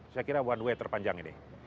saya kira one way terpanjang ini